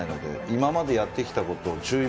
今までやってきたことを注意